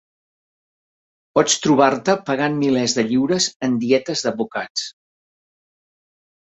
Pots trobar-te pagant milers de lliures en dietes d'advocats.